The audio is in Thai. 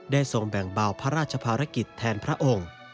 ทรงแบ่งเบาพระราชภารกิจแทนพระองค์